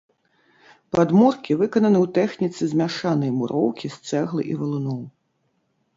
Падмуркі выкананы ў тэхніцы змяшанай муроўкі з цэглы і валуноў.